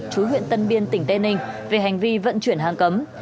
chú huyện tân biên tỉnh tây ninh về hành vi vận chuyển hàng cấm